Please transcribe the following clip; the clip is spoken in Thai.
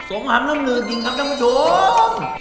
สงฮับล่ะมะนึงเออดีจริงครับน้องผู้ชม